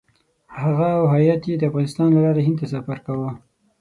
هغه او هیات یې د افغانستان له لارې هند ته سفر کاوه.